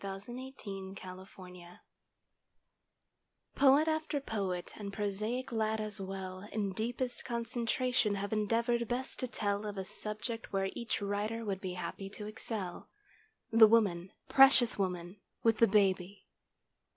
"THE WOMAN WITH THE BABY" Poet after poet, and prosaic lad as well In deepest concentration have endeavored best to tell Of a subject where each writer would be happy to excel; "The woman, precious woman, with the baby!"